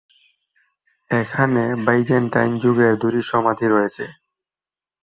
এখানে বাইজেন্টাইন যুগের দুটি সমাধি রয়েছে।